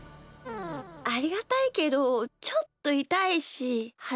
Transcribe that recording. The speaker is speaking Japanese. ありがたいけどちょっといたいしはずかしいんだよな。